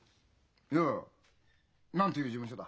いや何ていう事務所だ？